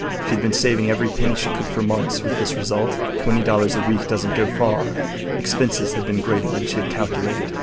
She had been saving every penny she could for months, with this result. Twenty dollars a week doesn’t go far. Expenses had been greater than she had calculated.